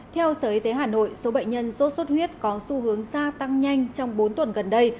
theo sở y tế hà nội số bệnh nhân sốt xuất huyết có xu hướng xa tăng nhanh trong bốn tuần gần đây